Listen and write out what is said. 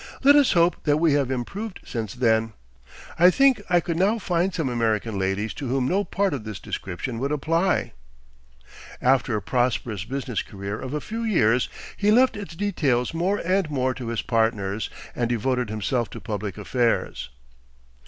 Let us hope that we have improved since then. I think I could now find some American ladies to whom no part of this description would apply. After a prosperous business career of a few years he left its details more and more to his partners, and devoted himself to public affairs.